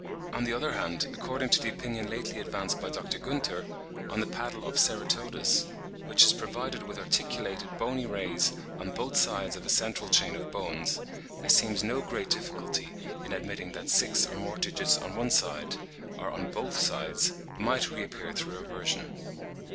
On the other hand, according to the opinion lately advanced by Dr. Gunther, on the paddle of Ceratodus, which is provided with articulated bony rays on both sides of a central chain of bones, there seems no great difficulty in admitting that six or more digits on one side, or on both sides, might reappear through reversion.